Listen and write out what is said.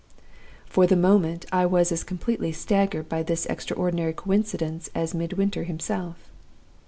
"For the moment, I was as completely staggered by this extraordinary coincidence as Midwinter himself.